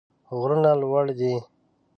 غرونه لوړ دي.